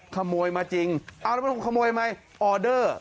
ขโมยมาจริงเอาแล้วมันขโมยไหมออเดอร์